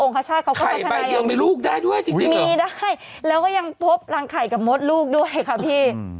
ไข่ใบเดียวมีลูกได้ด้วยจริงมีได้แล้วก็ยังพบรังไข่กับมดลูกด้วยค่ะพี่